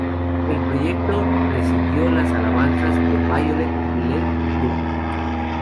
El proyecto recibió las alabanzas de Viollet-le-Duc.